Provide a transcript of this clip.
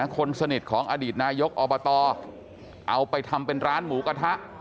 คนสนิทของอดีตนายกอบตเอาไปทำเป็นร้านหมูกระทะ